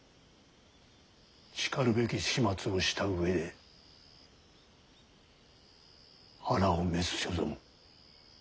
しかるべき始末をした上で腹を召す所存。